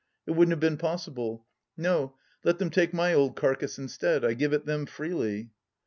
It wouldn't have been possible. No, let them take my old carcase instead. I give it 'em freely."